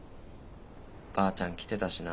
ばあちゃん来てたしな。